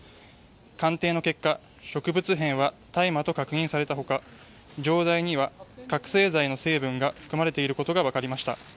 鑑定の結果、植物片は大麻と確認された他錠剤には覚醒剤の成分が含まれていることが分かりました。